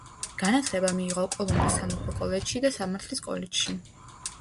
განათლება მიიღო კოლომბოს სამეფო კოლეჯში და სამართლის კოლეჯში.